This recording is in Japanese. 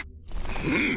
うん？